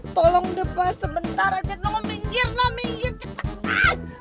tolong debah sebentar aja dong minggir lah minggir cepetan